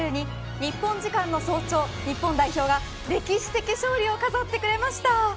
日本時間の早朝、日本代表が歴史的勝利を飾ってくれました。